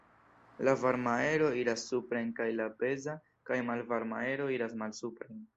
La varma aero iras supren kaj la peza kaj malvarma aero iras malsupren.